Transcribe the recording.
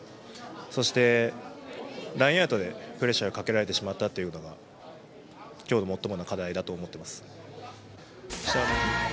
そして、ラインアウトでプレッシャーをかけられてしまったのが今日の課題だと思っています。